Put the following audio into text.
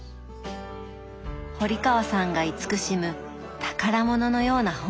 堀川さんが慈しむ宝物のような本たち。